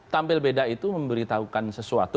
tampil beda itu memberitahukan sesuatu